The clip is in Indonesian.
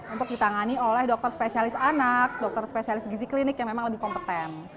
untuk ditangani oleh dokter spesialis anak dokter spesialis gizi klinik yang memang lebih kompeten